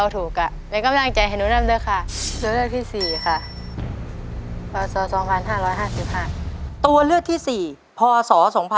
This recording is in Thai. ตัวเลือกที่๔พศ๒๕๖๒